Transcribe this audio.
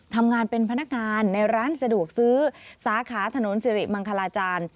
ทำงานเป็นพนักงานในร้านสะดวกซื้อสาขาถนนสิริมังคลาจารย์